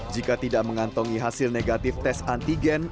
jika tidak mengantongi hasil negatif tes antigen